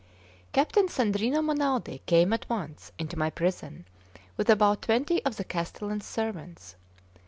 Captain Sandrino Monaldi came at once into my prison with about twenty of the castellan's servants.